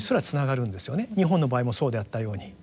日本の場合もそうであったように。